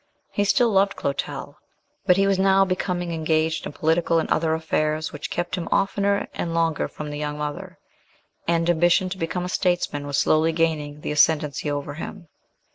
He still loved Clotel; but he was now becoming engaged in political and other affairs which kept him oftener and longer from the young mother; and ambition to become a statesman was slowly gaining the ascendancy over him.